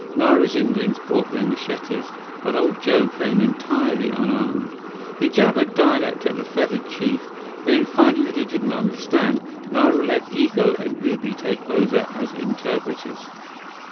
Nara's Indians brought their machetes, but old Joe came entirely unarmed. He jabbered dialect at the feathered chief. Then, finding that he didn't understand, Nara let Igo and Ubi take over as interpreters.